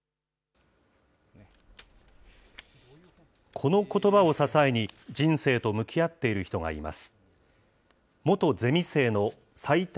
このことばを支えに、人生と向き合っている人がいます。